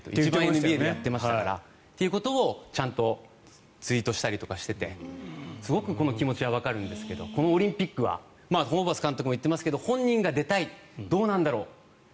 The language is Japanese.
ＮＢＡでやっていましたから。ということをツイートしたりしていてすごくこの気持ちはわかるんですけどこのオリンピックはトム・ホーバス監督も言ってますが本人が出たい、どうなんだろう。